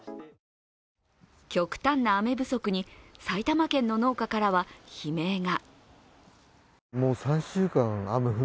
極端な雨不足に埼玉県の農家からは悲鳴が。